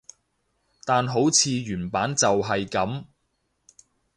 但好似原版就係噉